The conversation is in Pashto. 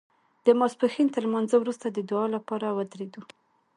د ماسپښین تر لمانځه وروسته د دعا لپاره ودرېدو.